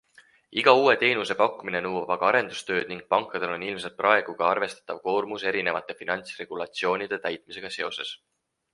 Iga uue teenuse pakkumine nõuab aga arendustööd ning pankadel on ilmselt praegu ka arvestatav koormus erinevate finantsregulatsioonide täitmisega seoses.